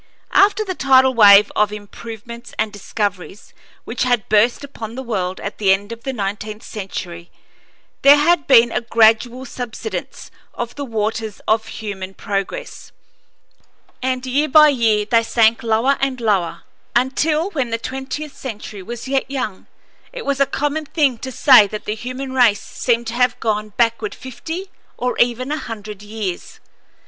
After the tidal wave of improvements and discoveries which had burst upon the world at the end of the nineteenth century there had been a gradual subsidence of the waters of human progress, and year by year they sank lower and lower, until, when the twentieth century was yet young, it was a common thing to say that the human race seemed to have gone backward fifty or even a hundred years.